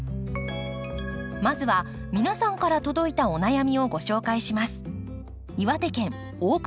まずは皆さんから届いたお悩みをご紹介します。